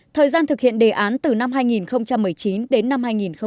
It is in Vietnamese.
thời gian thực hiện đề án từ năm hai nghìn một mươi chín đến năm hai nghìn hai mươi